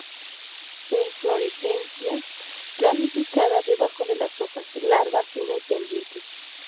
Inflorescencia ramificada, debajo de las hojas, larga, fina y pendiente.